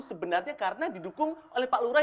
sebenarnya karena didukung oleh pak lura